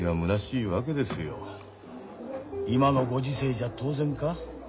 今のご時世じゃ当然か？